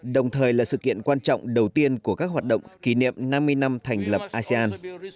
đồng thời là sự kiện quan trọng đầu tiên của các hoạt động kỷ niệm năm mươi năm thành lập asean